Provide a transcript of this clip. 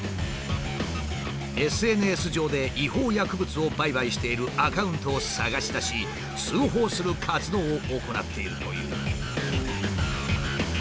ＳＮＳ上で違法薬物を売買しているアカウントを探し出し通報する活動を行っているという。